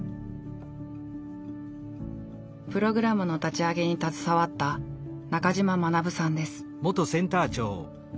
プログラムの立ち上げに携わった中島学さんです。